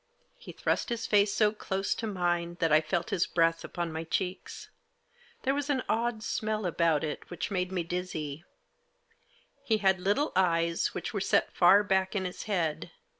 He thrust his face so close to mine that I felt his breath upon my cheeks. There was an odd smell about it which made me dizzy. He had little eyes, which were set far back in his head.